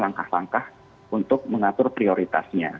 langkah langkah untuk mengatur prioritasnya